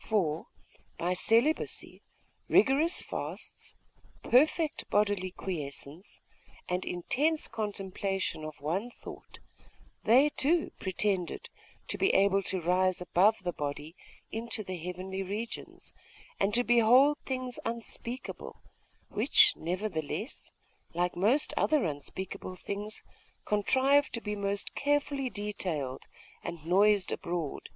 For by celibacy, rigorous fasts, perfect bodily quiescence, and intense contemplation of one thought, they, too, pretended to be able to rise above the body into the heavenly regions, and to behold things unspeakable, which nevertheless, like most other unspeakable things, contrived to be most carefully detailed and noised abroad....